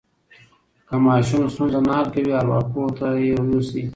که ماشوم ستونزه نه حل کوي، ارواپوه ته یې یوسئ.